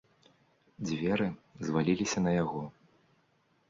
Дзверы зваліліся на яго.